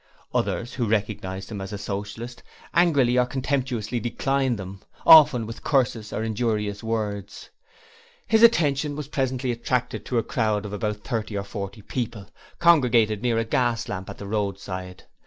Others, who recognized him as a Socialist, angrily or contemptuously declined them, often with curses or injurious words. His attention was presently attracted to a crowd of about thirty or forty people, congregated near a gas lamp at the roadside.